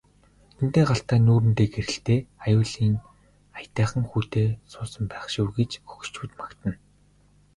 Нүдэндээ галтай нүүртээ гэрэлтэй аюулын аятайхан хүүтэй суусан байх шив гэж хөгшчүүд магтана.